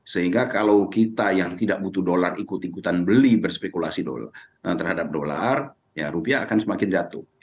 sehingga kalau kita yang tidak butuh dolar ikut ikutan beli berspekulasi terhadap dolar ya rupiah akan semakin jatuh